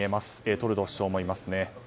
トルドー首相もいますね。